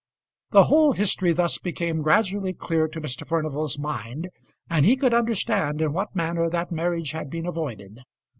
The whole history thus became gradually clear to Mr. Furnival's mind, and he could understand in what manner that marriage had been avoided.